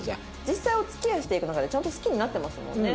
実際お付き合いしていく中でちゃんと好きになってますもんね。